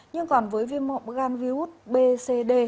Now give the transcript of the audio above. nhưng còn với viêm gan virus b c d